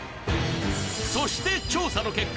そして調査の結果